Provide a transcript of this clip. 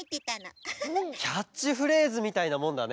キャッチフレーズみたいなもんだね。